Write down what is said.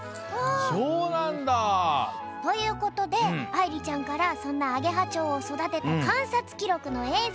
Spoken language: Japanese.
そうなんだ！ということであいりちゃんからそんなアゲハチョウをそだてたかんさつきろくのえい